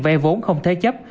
vay vốn không thế chấp